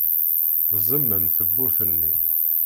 Tzemmem tewwurt-nni.